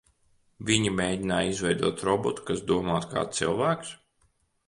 Viņi mēģināja izveidot robotu, kas domātu kā cilvēks?